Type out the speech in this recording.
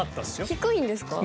低いんですか！？